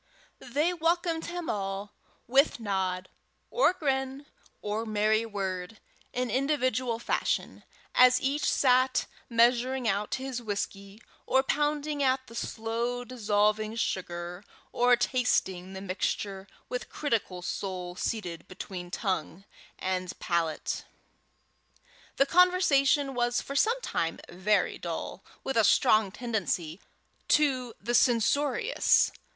They welcomed him all, with nod, or grin, or merry word, in individual fashion, as each sat measuring out his whisky, or pounding at the slow dissolving sugar, or tasting the mixture with critical soul seated between tongue and palate. The conversation was for some time very dull, with a strong tendency to the censorious.